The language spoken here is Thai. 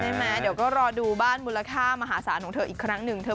ใช่ไหมเดี๋ยวก็รอดูบ้านมูลค่ามาหาสารของเธออีกครั้งนึง